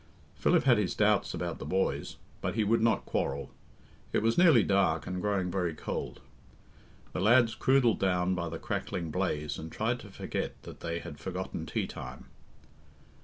Philip had his doubts about the boys, but he would not quarrel. It was nearly dark, and growing very cold. The lads croodled down by the crackling blaze, and tried to forget that they had forgotten tea time.